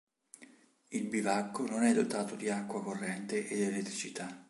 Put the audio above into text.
Il bivacco non è dotato di acqua corrente ed elettricità.